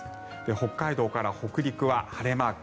北海道から北陸は晴れマーク。